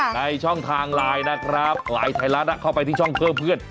ในช่องทางไลน์นะครับไลน์ไทยรัฐเข้าไปที่ช่องเพิ่มเพื่อน